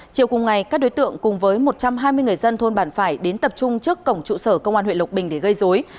chiều cùng ngày các đối tượng cùng với một trăm hai mươi người dân thôn bản phải đến tập trung trước cổng trụ sở công an huyện lộc bình để gây dối